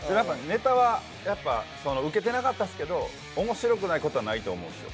ネタはウケてなかったっすけど、面白くないことはないと思うんですよ。